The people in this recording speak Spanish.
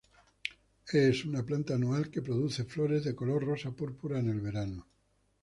Es una planta anual que produce flores de color rosa-púrpura en el verano.